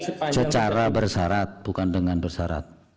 secara bersyarat bukan dengan bersyarat